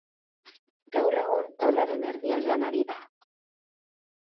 Gaur egun taularen erdialdean ari da.